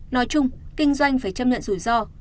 nói chung kinh doanh phải chấp nhận rủi ro